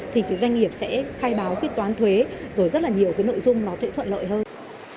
thì phía doanh nghiệp sẽ khai báo quyết toán thuế rồi rất là nhiều cái nội dung nó sẽ thuận lợi hơn